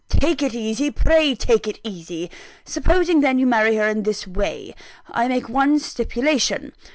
"Take it easy; pray take it easy! Supposing, then, you marry her in this way, I make one stipulation.